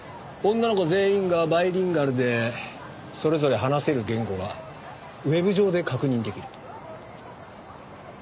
女の子全員がバイリンガルでそれぞれ話せる言語はウェブ上で確認できる。